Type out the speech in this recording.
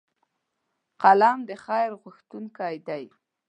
قلم د خیر غوښتونکی دی